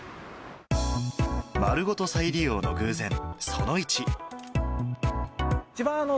丸ごと再利用の偶然その１。